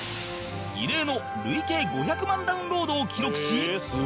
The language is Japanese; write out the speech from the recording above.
異例の累計５００万ダウンロードを記録し